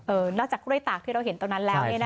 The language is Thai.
นอกจากกล้วยตากที่เราเห็นตรงนั้นแล้ว